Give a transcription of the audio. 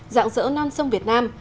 dạng dỡ non sông việt nam